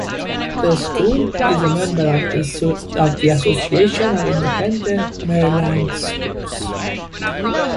The school is a member of the Association of Independent Maryland Schools.